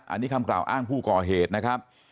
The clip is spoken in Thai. อันนี้คำกล่าวอ้างผู้ก่อเหตุนะครับ